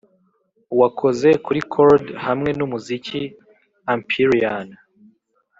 wakoze kuri chord hamwe numuziki empyrean.